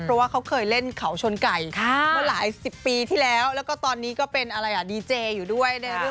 เพราะว่าเขาเคยเล่นเขาชนไก่เมื่อหลายสิบปีที่แล้วแล้วก็ตอนนี้ก็เป็นอะไรอ่ะดีเจอยู่ด้วยในเรื่อง